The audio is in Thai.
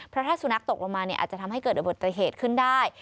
เพราะถ้าสุนัขตกลงมาเนี่ยอาจจะทำให้เกิดอุบัติเหตุขึ้นได้